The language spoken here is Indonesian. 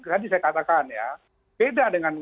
tadi saya katakan ya beda dengan